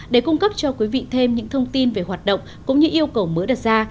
để cung cấp cho quý vị thêm những thông tin về hoạt động cũng như yêu cầu mới đặt ra